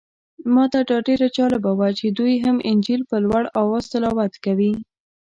ماته دا ډېر جالبه و چې دوی هم انجیل په لوړ اواز تلاوت کوي.